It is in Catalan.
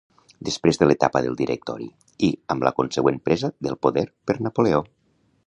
Després de l'etapa del directori i amb la consegüent presa del poder per Napoleó.